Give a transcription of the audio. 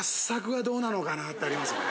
ってありますね。